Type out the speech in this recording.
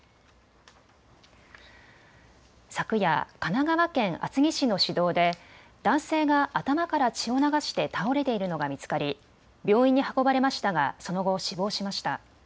昨夜、神奈川県厚木市の市道で男性が頭から血を流して倒れているのが見つかり病院に運ばれましたがその後、死亡しました。